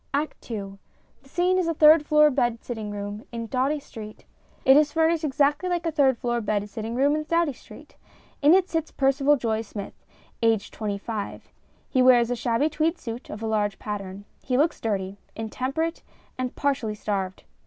] ACT II The scene is a third floor bed sitting room in Doughty Street. It is furnished exactly like a third floor bed sitting room in Doughty Street. In it sits Percival Joye Smith, aged twenty five. He wears a shabby tweed suit oj a large pattern. He looks dirty, in temperate and partially starved.